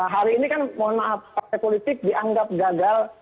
hari ini kan mohon maaf partai politik dianggap gagal